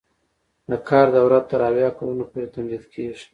د کار دوره تر اویا کلونو پورې تمدید کیږي.